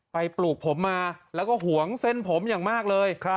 ปลูกผมมาแล้วก็ห่วงเส้นผมอย่างมากเลย